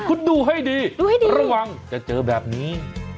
คุณดูให้ดีระวังจะเจอแบบนี้